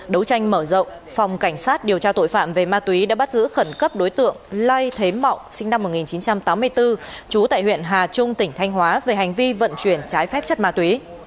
đấu tranh mở rộng phòng cảnh sát điều tra tội phạm về ma túy đã bắt giữ khẩn cấp đối tượng lai thế mọng sinh năm một nghìn chín trăm tám mươi bốn trú tại huyện hà trung tỉnh thanh hóa về hành vi vận chuyển trái phép chất ma túy